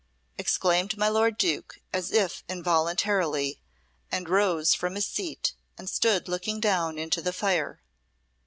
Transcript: exclaimed my lord Duke, as if involuntarily, and rose from his seat and stood looking down into the fire.